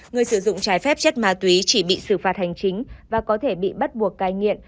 người sử dụng trái phép chất ma túy chỉ bị xử phạt hành chính và có thể bị bắt buộc cai nghiện